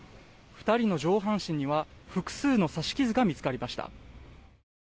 ２人の上半身には複数の刺し傷が見つかりました。